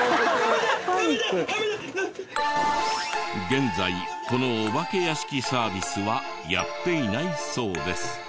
現在このお化け屋敷サービスはやっていないそうです。